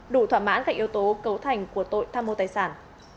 đủ thỏa mãn các yếu tố cấu thành của tội tham mô tài sản